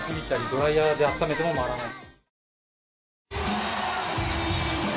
ドライヤーで温めても回らない。